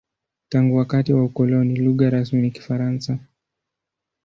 Tangu wakati wa ukoloni, lugha rasmi ni Kifaransa.